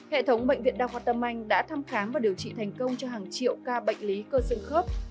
hệ thống bệnh viện đào hoạt tâm anh đã thăm khám và điều trị thành công cho hàng triệu ca bệnh lý cơ sân khớp